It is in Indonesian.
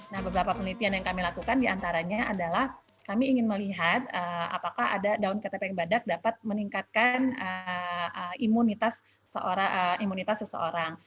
nah beberapa penelitian yang kami lakukan diantaranya adalah kami ingin melihat apakah ada daun ketepeng badak dapat meningkatkan imunitas seseorang